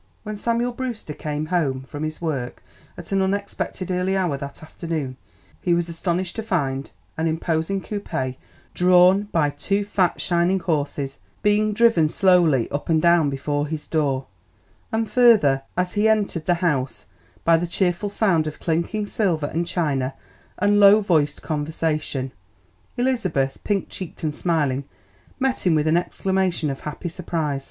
When Samuel Brewster came home from his work at an unexpectedly early hour that afternoon he was astonished to find an imposing coupé, drawn by two fat, shining horses, being driven slowly up and down before his door; and further, as he entered the house, by the cheerful sound of clinking silver and china and low voiced conversation. Elizabeth, pink cheeked and smiling, met him with an exclamation of happy surprise.